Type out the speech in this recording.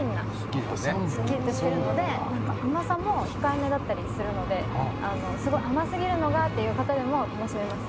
すっきりとしているので甘さも控えめだったりするのですごい甘すぎるのがっていう方でも楽しめます。